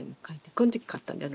このとき買ったんだよ